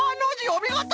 おみごと！